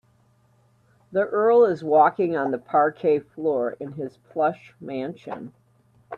The earl is walking on the parquet floor in his plush mansion.